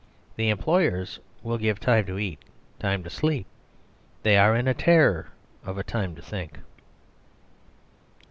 The employers will give time to eat, time to sleep; they are in terror of a time to think.